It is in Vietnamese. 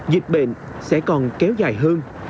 dịch bệnh sẽ còn kéo dài hơn